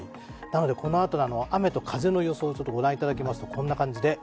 このあとの雨と風の予報をご覧いただきますとこんな感じで。